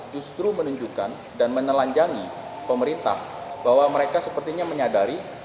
justru menunjukkan dan menelanjangi pemerintah bahwa mereka sepertinya menyadari